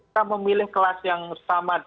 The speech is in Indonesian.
kita memilih kelas yang sama